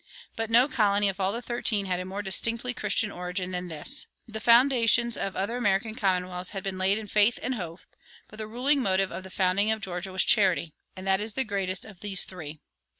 But no colony of all the thirteen had a more distinctly Christian origin than this. The foundations of other American commonwealths had been laid in faith and hope, but the ruling motive of the founding of Georgia was charity, and that is the greatest of these three.